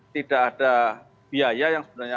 tidak ada biaya yang sebenarnya